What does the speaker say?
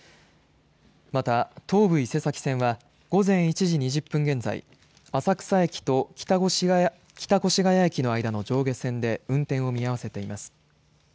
また東武伊勢崎線は午前１時２０分現在、浅草駅と北越谷駅の間の上下線で運転を見合わせています。